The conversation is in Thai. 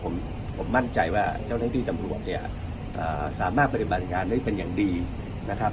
ผมมั่นใจว่าเจ้าหน้าที่ตำรวจเนี่ยสามารถปฏิบัติการได้เป็นอย่างดีนะครับ